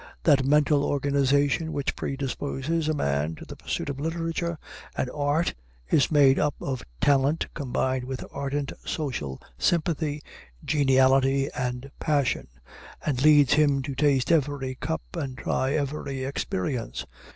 That mental organization which predisposes a man to the pursuit of literature and art is made up of talent combined with ardent social sympathy, geniality, and passion, and leads him to taste every cup and try every experience.